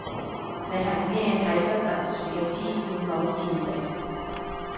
你係咩體質特殊嘅黐線佬磁石